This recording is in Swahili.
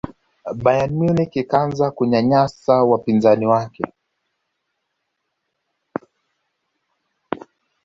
bayern munich ikaanza kunyanyasa wapinzani wake